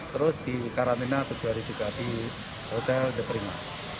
terus dikarantina tujuh hari juga di hotel the prima